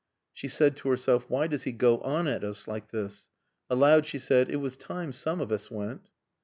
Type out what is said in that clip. She said to herself, "Why does he go on at us like this?" Aloud she said, "It was time some of us went."